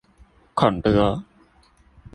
孔劉